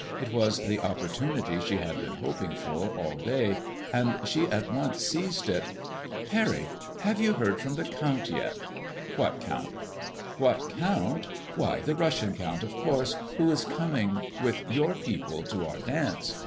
It was the opportunity she had been hoping for all day, and she at once seized it." '' Parry 9 have yon heard from the Count yet ?"" What Count ?•• "What Count! Why the Russian Count, of course, who is coming with your people to our dance.'